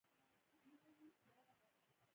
مزارشریف د افغانستان د اقتصادي ودې لپاره ارزښت لري.